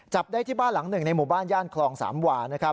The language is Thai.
จับได้ที่บ้านหลังหนึ่งในหมู่บ้านย่านคลอง๓วา